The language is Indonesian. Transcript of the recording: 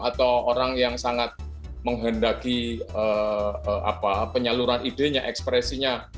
atau orang yang sangat menghendaki penyaluran idenya ekspresinya